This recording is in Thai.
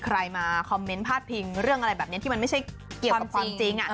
ใครมาคอมเมนต์พาดพิงเรื่องอะไรแบบนี้ที่มันไม่ใช่เกี่ยวกับความจริง